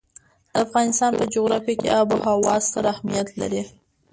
د افغانستان په جغرافیه کې آب وهوا ستر اهمیت لري.